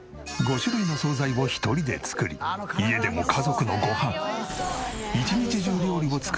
５種類の惣菜を一人で作り家でも家族のご飯。